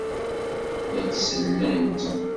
La d-sellent.